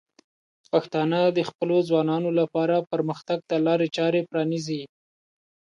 پښتانه د خپلو ځوانانو لپاره پرمختګ ته لارې چارې پرانیزي.